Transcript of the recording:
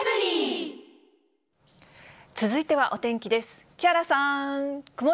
続いてはお天気です。